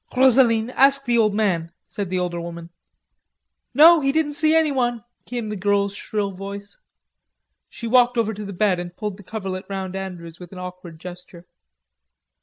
Rosaline, ask the old man," said the older woman. "No, he didn't see anyone," came the girl's shrill voice. She walked over to the bed and pulled the coverlet round Andrews with an awkward gesture.